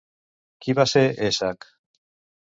Qui va ser Èsac?